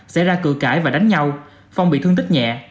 sẽ ra cử cãi và đánh nhau phong bị thương tích nhẹ